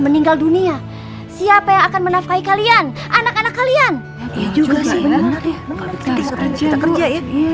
meninggal dunia siapa yang akan menafkahi kalian anak anak kalian juga sih benar ya